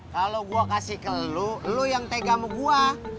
kalau gue kasih ke lu lo yang tega sama gue